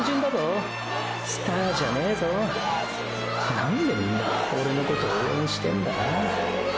何でみんなオレのこと応援してんだ。